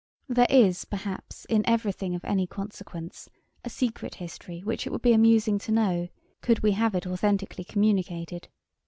There is, perhaps in every thing of any consequence, a secret history which it would be amusing to know, could we have it authentically communicated.